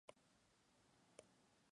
Manuel Candela a la Av.